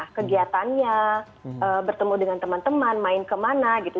jadi mereka bisa melakukan kegiatannya bertemu dengan teman teman main kemana gitu